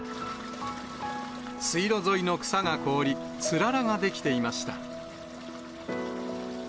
水路沿いの草が凍り、つららが出来ていました。